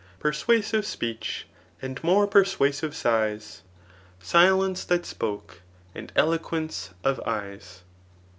Persuasive speech, and more persuasive sighs. Silence that spoke, and eloquence of eyes.